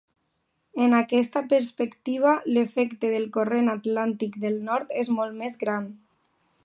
En aquesta perspectiva, l'efecte del Corrent Atlàntic Del nord és molt més gran.